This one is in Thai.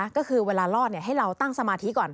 ก็คือเวลารอดให้เราตั้งสมาธิก่อน